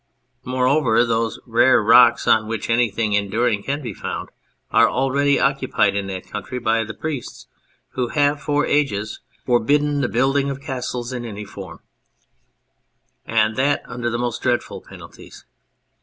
Moreover, those rare rocks on which anything enduring can be founded are already occupied in that country by the priests, who have for ages for bidden the building of castles in any form, and that under the most dreadful penalties.